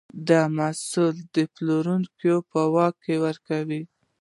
دوی محصولات د پلورونکو په واک کې ورکول.